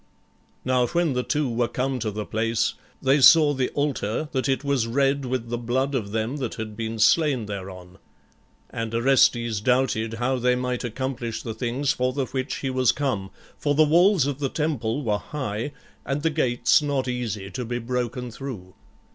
Now when the two were come to the place, they saw the altar that it was red with the blood of them that had been slain thereon. And Orestes doubted how they might accomplish the things for the which he was come, for the walls of the temple were high and the gates not easy to be broken through.